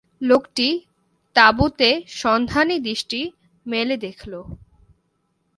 লোকটি তাঁবুতে সন্ধানী দৃষ্টি মেলে দেখল।